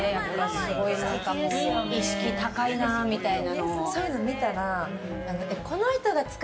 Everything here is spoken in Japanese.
すごい意識高いなみたいな。